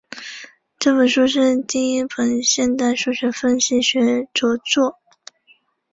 这本书是第一本现代数学分析学着作。